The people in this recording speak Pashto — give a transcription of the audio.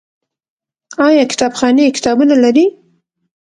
آیا کتابخانې کتابونه لري؟